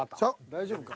大丈夫か？